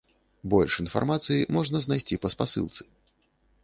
Больш інфармацыі можна знайсці па спасылцы.